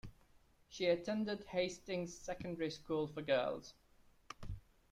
She attended Hastings Secondary School for Girls.